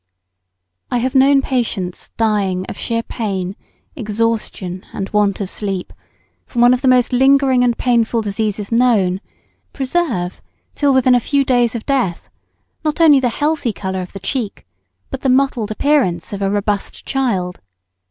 I have known patients dying of sheer pain, exhaustion, and want of sleep, from one of the most lingering and painful diseases known, preserve, till within a few days of death, not only the healthy colour of the cheek, but the mottled appearance of a robust child.